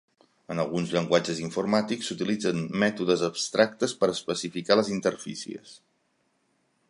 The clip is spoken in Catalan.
En alguns llenguatges informàtics s'utilitzen mètodes abstractes per especificar les interfícies.